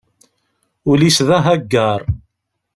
Ul-is d ahaggaṛ.